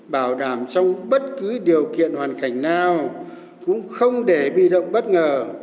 bảo đảm trong bất cứ điều kiện hoàn cảnh nào cũng không để bị động bất ngờ